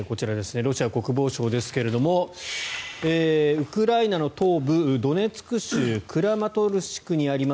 ロシア国防省ですがウクライナの東部ドネツク州クラマトルシクにあります